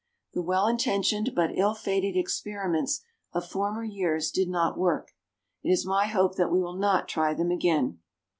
The well intentioned but ill fated experiments of former years did not work. It is my hope that we will not try them again.